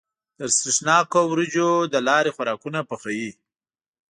د سرېښناکو وريجو له لارې خوراکونه پخوي.